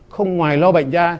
không ngoài lo bệnh ra